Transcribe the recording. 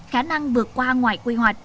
khả năng vượt qua ngoài quy hoạch